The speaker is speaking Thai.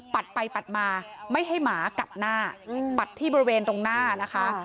ไปปัดมาไม่ให้หมากัดหน้าปัดที่บริเวณตรงหน้านะคะ